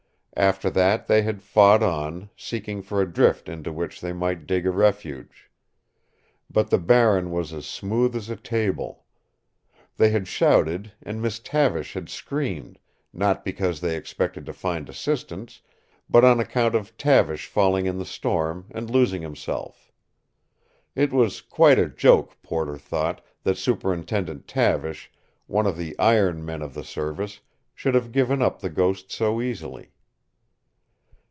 After that they had fought on, seeking for a drift into which they might dig a refuge. But the Barren was as smooth as a table. They had shouted, and Miss Tavish had screamed not because they expected to find assistance but on account of Tavish falling in the storm, and losing himself. It was quite a joke, Porter thought, that Superintendent Tavish, one of the iron men of the service, should have given up the ghost so easily.